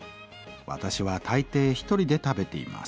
私は大抵一人で食べています。